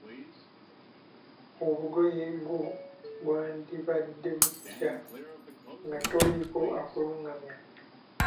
Obugoye bwo bwandibadde butya nga toliiko akulungamya?